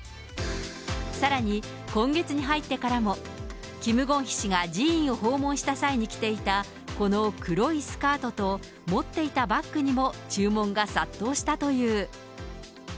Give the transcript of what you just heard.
さらに、今月に入ってからも、キム・ゴンヒ氏が寺院を訪問した際に着ていたこの黒いスカートと持っていたバッグにも注文が殺到したという。